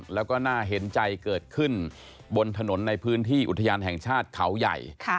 แล้วก็น่าเห็นใจเกิดขึ้นบนถนนในพื้นที่อุทยานแห่งชาติเขาใหญ่